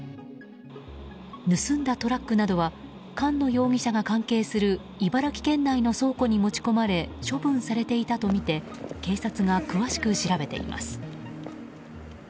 盗んだトラックなどは菅野容疑者が関係する茨城県内の倉庫に持ち込まれ処分されていたとみて警察が詳しく調べています。